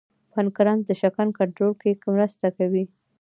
پنکراس د شکر کنټرول کې مرسته کوي